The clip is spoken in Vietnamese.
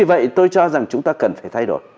vậy tôi cho rằng chúng ta cần phải thay đổi